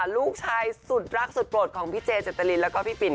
ลูกชายสุดรักสุดโปรดของพี่เจเจตรินแล้วก็พี่ปิ่น